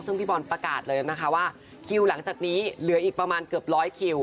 ซึ่งพี่บอลประกาศเลยนะคะว่าคิวหลังจากนี้เหลืออีกประมาณเกือบร้อยคิว